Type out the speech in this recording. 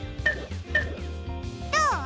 どう？